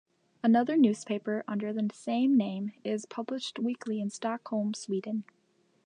Another newspaper under the same name is published weekly in Stockholm, Sweden.